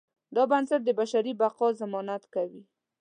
دا بنسټ د بشري بقا ضمانت ورکوي.